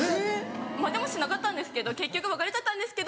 まぁでもしなかったんですけど結局別れちゃったんですけど。